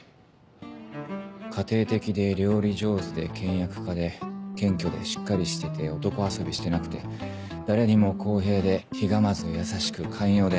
家庭的で料理上手で倹約家で謙虚でしっかりしてて男遊びしてなくて誰にも公平でひがまず優しく寛容で。